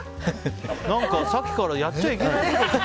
さっきからやっちゃいけないことを。